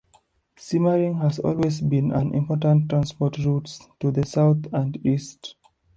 Simmering has always been on important transport routes to the south and east.